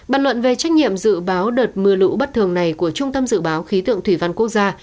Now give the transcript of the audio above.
bàn luận về trách nhiệm dự báo đợt mưa lũ bất thường này của trung tâm dự báo khí tượng thủy văn quốc gia